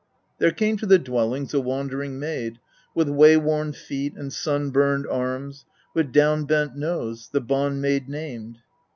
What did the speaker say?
7. There came to the dwellings a wandering maid, with wayworn feet, and sunburned arms, with down bent nose, the Bond maid named.